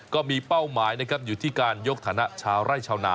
ก็มีเป้าหมายอยู่ที่การยกถามนักชาวไร่ชาวนา